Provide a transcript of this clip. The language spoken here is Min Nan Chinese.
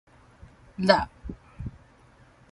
塌